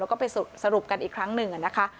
แล้วก็ไปสรุปกันอีกครั้งหนึ่งนะคะ